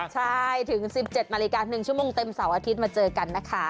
ใช่ถึง๑๗นาฬิกา๑ชั่วโมงเต็มเสาร์อาทิตย์มาเจอกันนะคะ